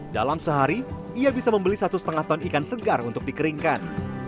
dalam sehari ia bisa membeli satu lima ton ikan segar untuk dikeringkan